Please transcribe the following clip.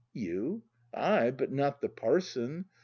You? Ay, but not the parson!